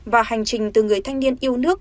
và hành trình từ người thanh niên yêu nước